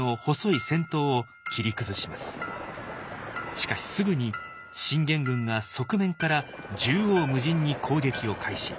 しかしすぐに信玄軍が側面から縦横無尽に攻撃を開始。